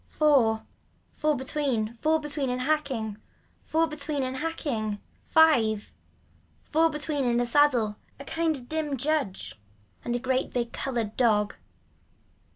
Four. Four between, four between and hacking. Four between and hacking. Five. Four between and a saddle, a kind of dim judge and a great big so colored dog.